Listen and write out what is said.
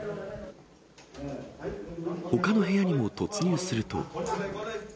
ほかの部屋にも突入すると。